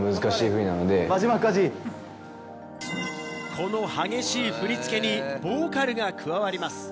この激しい振り付けにボーカルが加わります。